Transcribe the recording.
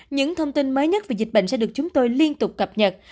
những thông tin mới nhất về dịch bệnh sẽ được chúng tôi liên tục cập nhật